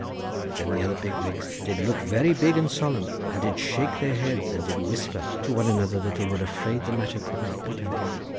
Then the other big wigs did look very big and solemn, and did shake their heads and did whisper to one another that they were afraid the matter could not be done.